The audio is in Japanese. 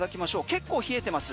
結構冷えてます。